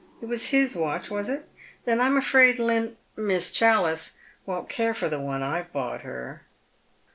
it was bis watch, was it? Then I'm afraid Lin Mies Challice won't care for the one I've bought her."